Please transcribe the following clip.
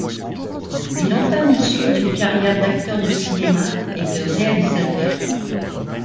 Il entame ensuite une carrière d'acteur de cinéma et de réalisateur.